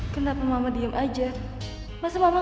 dan surat wasiat udah dibacain